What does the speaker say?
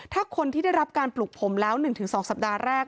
ถ้าคนที่ได้รับการปลูกผมแล้ว๑๒สัปดาห์แรก